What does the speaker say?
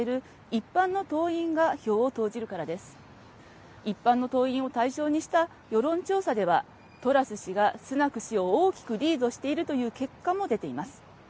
一般の党員を対象にした世論調査ではトラス氏がスナク氏を大きくリードしているという結果も出ています。